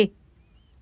cả ba trường hợp trên